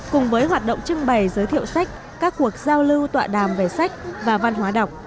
cùng với hoạt động trưng bày giới thiệu sách các cuộc giao lưu tọa đàm về sách và văn hóa đọc